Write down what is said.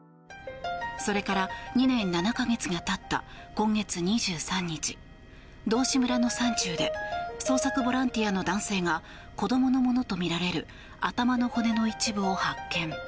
それから２年７か月が経った今月２３日道志村の山中で捜索ボランティアの男性が子供のものとみられる頭の骨の一部を発見。